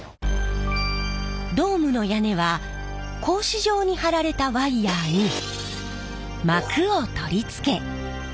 ドームの屋根は格子状に張られたワイヤーに膜を取り付け